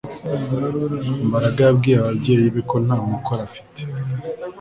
Mbaraga yabwiye ababyeyi be ko nta mukoro afite